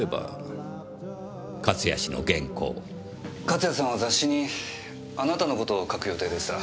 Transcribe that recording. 勝谷さんは雑誌にあなたの事を書く予定でした。